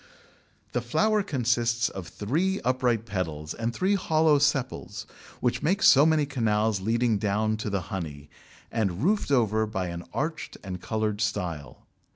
The flower consists of three upright petals and three hollow sepals, which make so many canals leading down to the honey, and roofed over by an arched and coloured style.